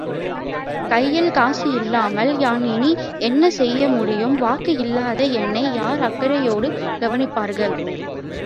கையில் காசு இல்லாமல் யான் இனி என்ன செய்ய முடியும் வக்கு இல்லாத என்னை யார் அக்கரையோடு கவனிப்பார்கள்.